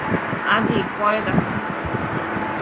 আজই, পরে দেখ।